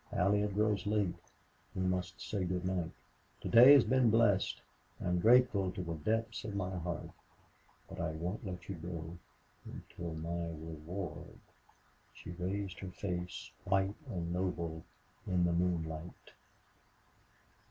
"Allie, it grows late. We must say good night... Today has been blessed. I am grateful to the depths of my heart... But I won't let you go until my reward " She raised her face, white and noble in the moonlight.